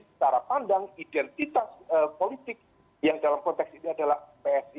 secara pandang identitas politik yang dalam konteks itu adalah psi itu sendiri